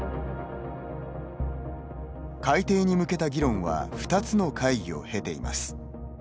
改訂に向けた議論は２つの会議を経ています。